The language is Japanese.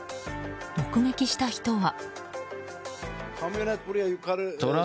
目撃した人は。